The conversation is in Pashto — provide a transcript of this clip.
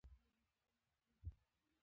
ډیناسورونه اوس له منځه تللي دي